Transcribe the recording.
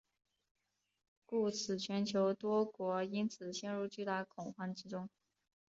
故此全球多国因此陷入巨大恐慌之中。